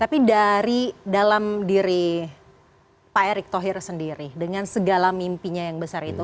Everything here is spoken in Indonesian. tapi dari dalam diri pak erick thohir sendiri dengan segala mimpinya yang besar itu